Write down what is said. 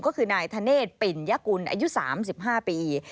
ก็คือนายธเนธปิ่นยกุลอายุ๓๕ปี